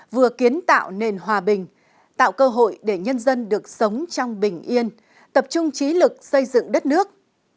vừa kiến tạo nền hòa bình tạo cơ hội để nhân dân được sống trong bình yên tập trung trí lực xây dựng đất nước